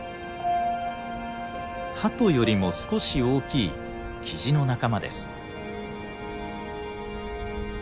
ハトよりも少し大きいキジの仲間です。